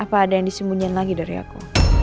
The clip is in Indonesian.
apa ada yang disembunyikan lagi dari aku